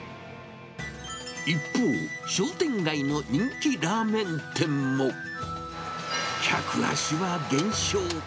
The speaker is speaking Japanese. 一方、商店街の人気ラーメン店も、客足は減少。